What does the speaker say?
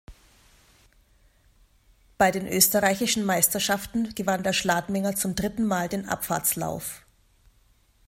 Bei den Österreichischen Meisterschaften gewann der Schladminger zum dritten Mal den Abfahrtslauf.